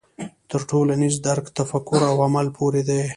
تر ټولنیز درک تفکر او عمل پورې دی.